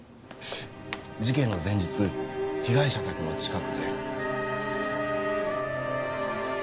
事件の前日被害者宅の近くで。